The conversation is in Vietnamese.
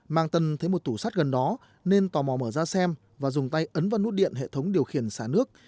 mang tân thấy một tủ sắt gần đó nên tò mò mở ra xem và dùng tay ấn vào nút điện hệ thống điều khiển xả nước